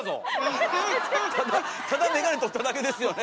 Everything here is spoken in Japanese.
ただ眼鏡取っただけですよね。